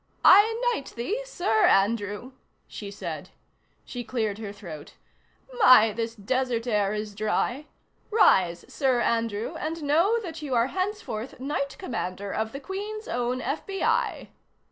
"I knight thee Sir Andrew," she said. She cleared her throat. "My, this desert air is dry.... Rise, Sir Andrew, and know that you are henceforth Knight Commander of the Queen's Own FBI."